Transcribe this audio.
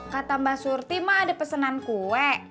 kata mbak surti mak ada pesenan kue